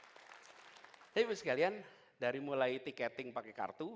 jadi bapak ibu sekalian dari mulai ticketing pakai kartu